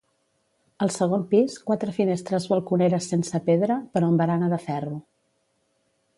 Al segon pis, quatre finestres balconeres sense pedra, però amb barana de ferro.